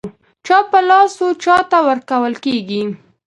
چا په لاس و چاته ورکول کېږي.